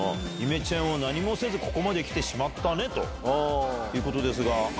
イメチェンを何もせず、ここまできてしまったねということですが。